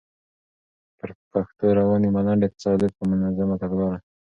پر پښتو روانې ملنډې؛ تصادف که منظمه تګلاره؟